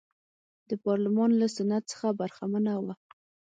د پارلمان له سنت څخه برخمنه وه.